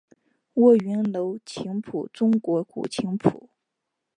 卧云楼琴谱中国古琴谱。